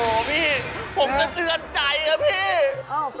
โอ้โฮพี่ผมสะเตือนใจนะพี่